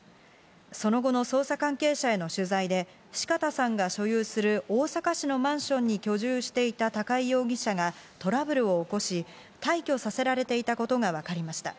その後の捜査関係者への取材で四方さんが所有する大阪市のマンションに居住していた高井容疑者がトラブルを起こし、退去させられていたことがわかりました。